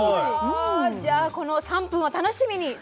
じゃあこの３分を楽しみに。